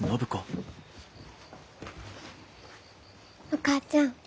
お母ちゃん